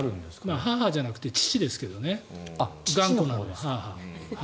母じゃなくて父ですけどね頑固なのは。